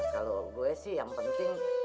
kalau gue sih yang penting